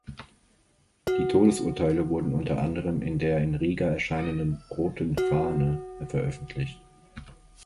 Die Todesurteile wurden unter anderem in der in Riga erscheinenden "Roten Fahne" veröffentlicht.